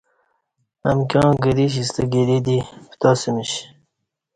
امکیاں گرش ستہ گری دی پتاسمیش